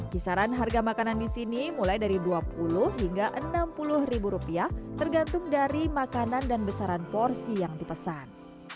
kisaran harga makanan di sini mulai dari dua puluh hingga enam puluh ribu rupiah tergantung dari makanan dan besaran porsi yang dipesan